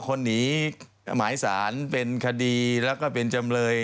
คนหนีหมายสารเป็นคดีแล้วก็เป็นจำเลย